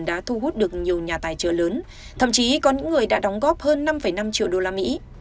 đã thu hút được nhiều nhà tài trợ lớn thậm chí có những người đã đóng góp hơn năm năm triệu đô la mỹ